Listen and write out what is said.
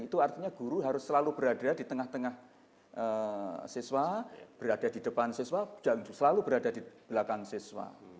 itu artinya guru harus selalu berada di tengah tengah siswa berada di depan siswa dan selalu berada di belakang siswa